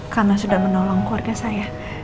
karena sudah menolong keluarga saya